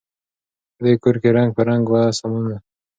په دې کورکي رنګ په رنګ وه سامانونه